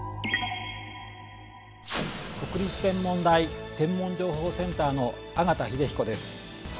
国立天文台天文情報センターの縣秀彦です。